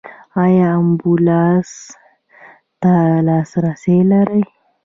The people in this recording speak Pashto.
ایا امبولانس ته لاسرسی لرئ؟